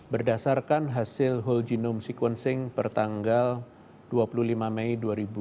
berdasarkan hasil whole genome sequencing per tanggal dua puluh lima mei dua ribu dua puluh